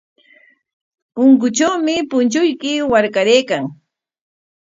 Punkutrawmi punchuyki warkaraykan.